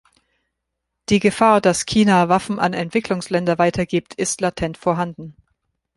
Die Gefahr, dass China Waffen an Entwicklungsländer weitergibt, ist latent vorhanden.